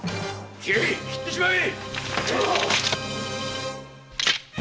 斬れ斬ってしまえ！